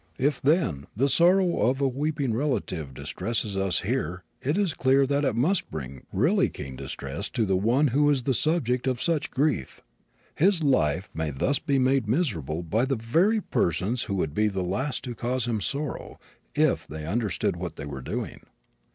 If, then, the sorrow of a weeping relative distresses us here it is clear that it must bring really keen distress to the one who is the subject of such grief. His life may thus be made miserable by the very persons who would be the last to cause him sorrow if they understood what they were doing.